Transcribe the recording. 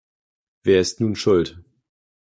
Wer ist nun schuld?